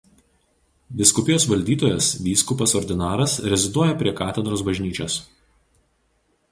Vyskupijos valdytojas vyskupas ordinaras reziduoja prie katedros bažnyčios.